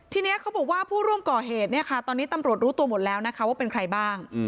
ทีนี้เขาบอกว่าผู้ร่วมกรเหตุตอนนี้ตำรวจรู้ตัวหมดแล้วว่าเป็นใครบ้าง